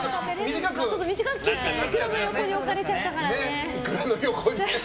短く切ってね、イクラの横に置かれちゃったからね。